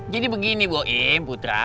jadi begini boim putra